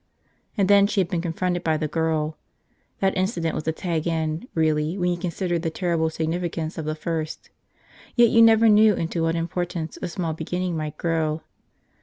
And then she had been confronted by the girl. That incident was a tag end, really, when you considered the terrible significance of the first. Yet you never knew into what importance a small beginning might grow.